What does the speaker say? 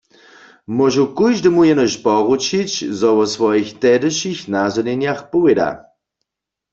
Móžu kóždemu jenož poručić, zo wo swojich tehdyšich nazhonjenjach powěda.